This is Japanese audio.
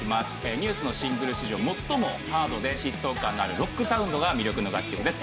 ＮＥＷＳのシングル史上最もハードで疾走感のあるロックサウンドが魅力の楽曲です。